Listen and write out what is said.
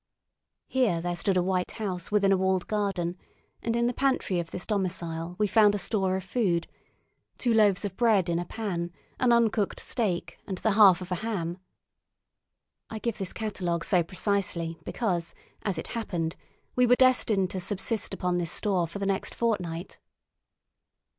Here there stood a white house within a walled garden, and in the pantry of this domicile we found a store of food—two loaves of bread in a pan, an uncooked steak, and the half of a ham. I give this catalogue so precisely because, as it happened, we were destined to subsist upon this store for the next fortnight.